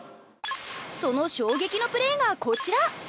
その衝撃のプレーがこちら。